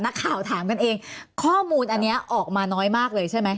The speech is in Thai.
นักข่าวถามกันเองข้อมูลอันนี้ออกมาน้อยมากเลยใช่ไหม